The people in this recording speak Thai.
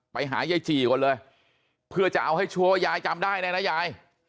ไปหายายจี่ก่อนเลยเพื่อจะเอาให้ชัวร์ยายจำได้แน่นะยาย